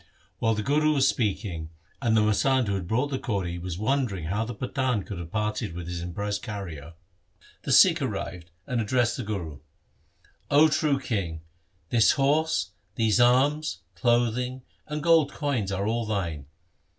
While the Guru was speaking, and the masand who had brought the kauri was wondering how the Pathan could have parted with his impressed carrier, the Sikh arrived and ad dressed the Guru, ' O true king, this horse, these arms, clothing, and gold coins are all thine.